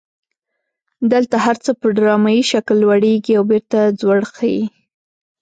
دلته هر څه په ډرامایي شکل لوړیږي او بیرته ځوړ خي.